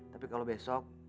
tapi kalau besok